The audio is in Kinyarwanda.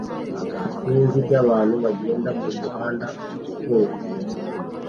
Isinzi ry'abantu bagenda mumuhanda ufunguye